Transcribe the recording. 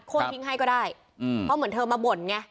ทิ้งให้ก็ได้เพราะเหมือนเธอมาบ่นไง